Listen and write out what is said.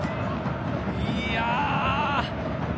いや。